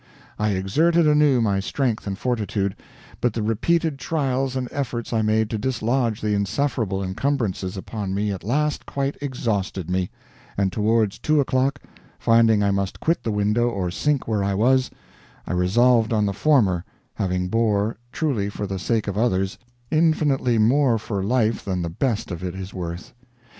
"I exerted anew my strength and fortitude; but the repeated trials and efforts I made to dislodge the insufferable incumbrances upon me at last quite exhausted me; and towards two o'clock, finding I must quit the window or sink where I was, I resolved on the former, having bore, truly for the sake of others, infinitely more for life than the best of it is worth.